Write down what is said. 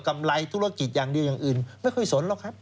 ำไรธุรกิจอย่างเดียวอย่างอื่นไม่ค่อยสนหรอกครับ